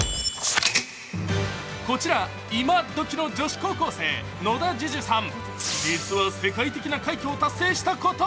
こちら、今どきの女子高校生野田樹潤さん。